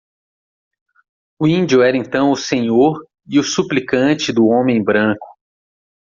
O índio era então o senhor e o suplicante do homem branco.